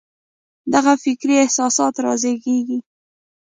دغه فکري اساسات رازېږي.